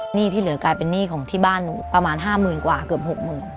หนี้ที่เหลือกลายเป็นหนี้ของที่บ้านประมาณห้ามหมื่นกว่าเกือบหกหมื่น